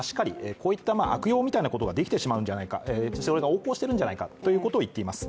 こういった悪用みたいなことができてしまうんじゃないか、それが横行しているんじゃないかということを言っています。